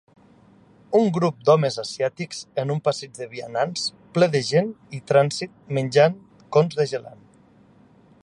Un grup d'homes asiàtics en un passeig de vianants ple de gent i trànsit menjant cons de gelat